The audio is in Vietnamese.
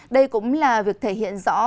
đây cũng là việc thể hiện rõ